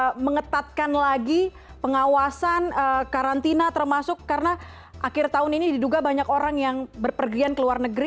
kita mengetatkan lagi pengawasan karantina termasuk karena akhir tahun ini diduga banyak orang yang berpergian ke luar negeri